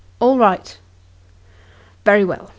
" All right." " Very well.